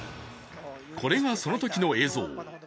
これがそのときの映像。